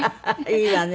いいわね。